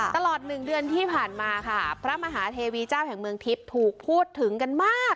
ตลอด๑เดือนที่ผ่านมาค่ะพระมหาเทวีเจ้าแห่งเมืองทิพย์ถูกพูดถึงกันมาก